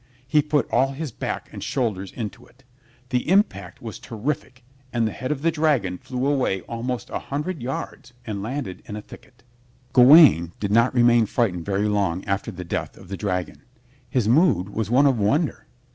He put all his back and shoulders into it. The impact was terrific and the head of the dragon flew away almost a hundred yards and landed in a thicket. Gawaine did not remain frightened very long after the death of the dragon. His mood was one of wonder.